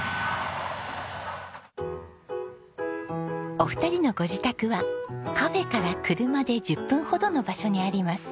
お二人のご自宅はカフェから車で１０分ほどの場所にあります。